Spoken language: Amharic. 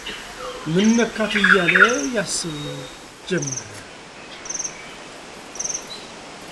ምን ነካት እያለ ያስብ ጀመር፡፡